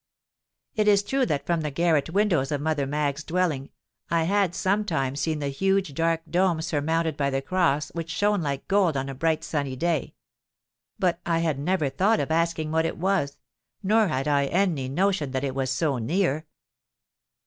It is true that from the garret windows of Mother Maggs's dwelling, I had sometimes seen the huge dark dome surmounted by the cross which shone like gold on a bright, sunny day; but I had never thought of asking what it was—nor had I any notion that it was so near.